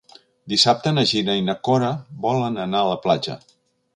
Dissabte na Gina i na Cora volen anar a la platja.